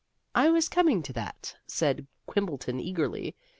"I was coming to that," said Quimbleton eagerly.